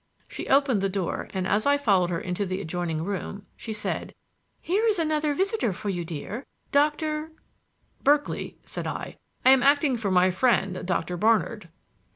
She opened the door and, as I followed her into the adjoining room, she said: "Here is another visitor for you, dear. Doctor " "Berkeley," said I. "I am acting for my friend Doctor Barnard."